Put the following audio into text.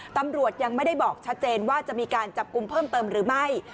ตำรวจยังไม่ได้บอกชัดเจนว่าจะมีการจับกลุ่มเพิ่มเติมหรือไม่